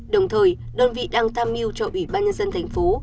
đồng thời đơn vị đang tham mưu cho ủy ban nhân dân thành phố